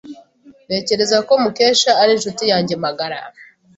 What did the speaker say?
Ntekereza ko Mukesha ari inshuti yanjye magara.